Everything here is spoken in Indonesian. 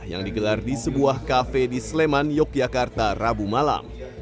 yang digelar di sebuah kafe di sleman yogyakarta rabu malam